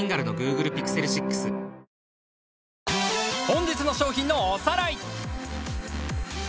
本日の商品のおさらい